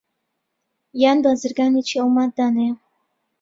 یان بازرگانێکی ئەو ماددانەیە